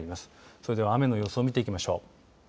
それでは雨の予想を見ていきましょう。